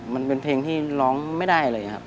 มันเป็นเพลงที่ร้องไม่ได้เลยครับ